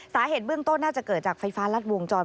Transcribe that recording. สาเหตุเบื้องต้นน่าจะเกิดจากไฟฟ้ารัดวงจร